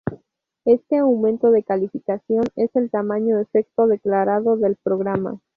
Este aumento de calificación es el tamaño efecto declarado del programa.